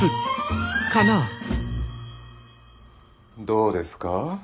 どうですか？